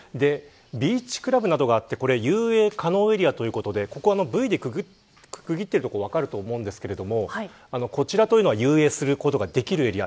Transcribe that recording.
ビーチクラブなどがあって遊泳可能エリアということでブイで区切っている所が分かると思うんですがこちらは遊泳することができるエリア。